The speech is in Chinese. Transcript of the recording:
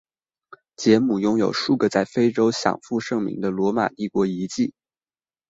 杰姆拥有数个在非洲享负盛名的罗马帝国遗迹。